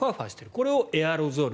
これをエアロゾル。